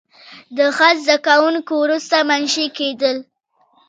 د خط زده کوونکي وروسته منشي کېدل.